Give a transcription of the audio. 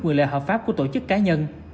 với lợi hợp pháp của tổ chức cá nhân